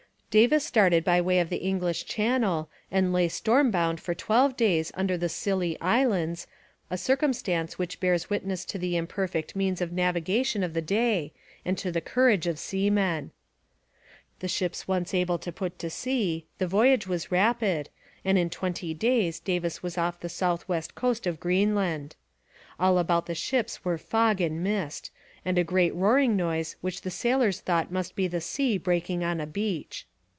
Davis started by way of the English Channel and lay storm bound for twelve days under the Scilly Islands, a circumstance which bears witness to the imperfect means of navigation of the day and to the courage of seamen. The ships once able to put to sea, the voyage was rapid, and in twenty days Davis was off the south west coast of Greenland. All about the ships were fog and mist, and a great roaring noise which the sailors thought must be the sea breaking on a beach.